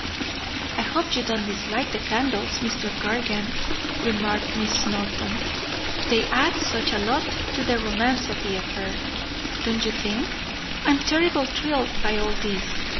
"I hope you don't dislike the candles, Mr. Cargan," remarked Miss Norton. "They add such a lot to the romance of the affair, don't you think? I'm terribly thrilled by all this.